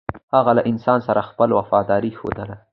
هغه له انسان سره خپله وفاداري ښودله.